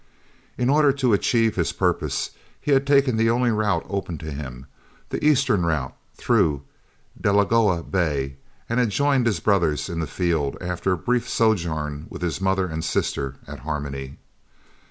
In order to achieve his purpose, he had taken the only route open to him, the eastern route through Delagoa Bay, and had joined his brothers in the field, after a brief sojourn with his mother and sister at Harmony.